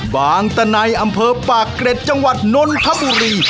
บางตะไนอำเภอปากเกร็ดจังหวัดนนทบุรี